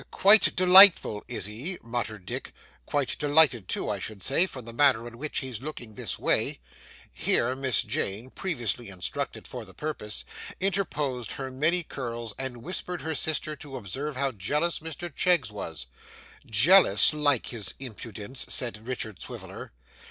'Quite delightful, is he?' muttered Dick. 'Quite delighted too, I should say, from the manner in which he's looking this way.' Here Miss Jane (previously instructed for the purpose) interposed her many curls and whispered her sister to observe how jealous Mr Cheggs was. 'Jealous! Like his impudence!' said Richard Swiviller.